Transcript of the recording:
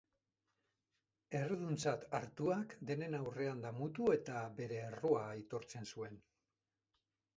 Erruduntzat hartuak denen aurrean damutu eta bere errua aitortzen zuen.